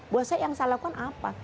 bahwa saya yang salah lakukan apa